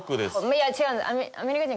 いや違う。